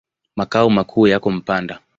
Makao makuu yako Mpanda.